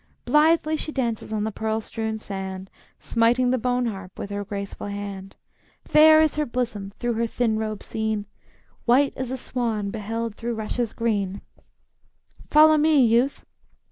Blithely she dances on the pearl strewn sand, Smiting the bone harp with her graceful hand. Fair is her bosom, through her thin robe seen, White as a swan beheld through rushes green, "Follow me, youth!